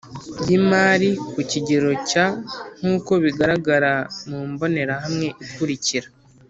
Y imari ku kigero cya nk uko bigararagara mu mbonerahamwe ikurikira